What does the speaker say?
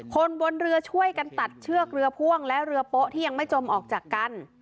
คนบนเรือช่วยกันตัดเชือกเรือพ่วงและเรือโป๊ะที่ยังไม่จมออกจากกัน